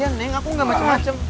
iya neng aku nggak macem macem